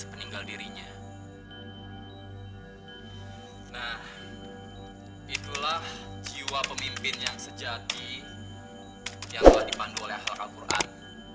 meninggal dirinya nah itulah jiwa pemimpin yang sejati yang dipandu oleh ahlak alquran